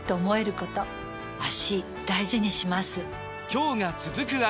今日が、続く脚。